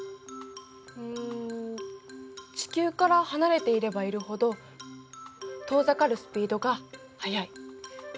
うん地球から離れていればいるほど遠ざかるスピードが速い。